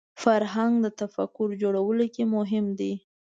فرهنګ د تفکر جوړولو کې مهم دی